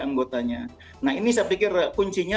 anggotanya nah ini saya pikir kuncinya